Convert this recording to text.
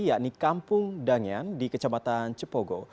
yakni kampung danyan di kecamatan cepogo